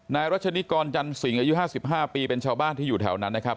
รัชนิกรจันสิงอายุ๕๕ปีเป็นชาวบ้านที่อยู่แถวนั้นนะครับ